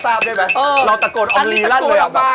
ถ้าทีมงานจะเบาเรื่องนี้ไม่ได้นะ